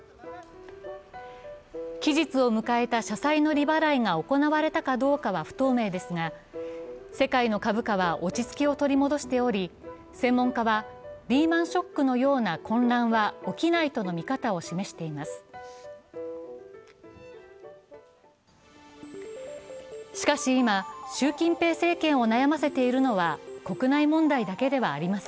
期日を迎えた社債の利払いが行われたかどうかは不透明ですが、世界の株価は落ち着きを取り戻しており、専門家はリーマン・ショックのような混乱は起きないとの見方を示しています。